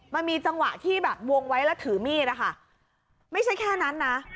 มันมีจังหวะที่แบบวงไว้แล้วถือมีดนะคะไม่ใช่แค่นั้นนะ